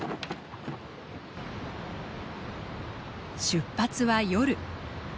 出発は夜。